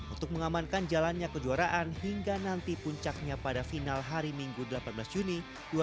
untuk mengamankan jalannya kejuaraan hingga nanti puncaknya pada final hari minggu delapan belas juni dua ribu dua puluh